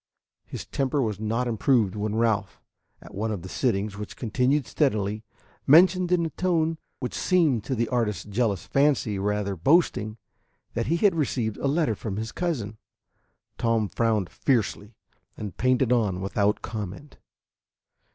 His temper was not improved when Ralph, at one of the sittings, which continued steadily, mentioned in a tone which seemed to the artist's jealous fancy rather boasting, that he had received a letter from his cousin. Tom frowned fiercely, and painted on without comment.